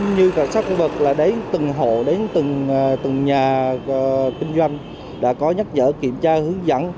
như cảnh sát khu vực là đến từng hộ đến từng nhà kinh doanh đã có nhắc dở kiểm tra hướng dẫn